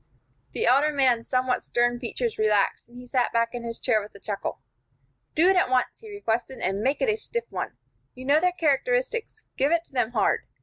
The elder man's somewhat stern features relaxed, and he sat back in his chair with a chuckle. "Do it at once," he requested, "and make it a stiff one. You know their characteristics; give it to them hard.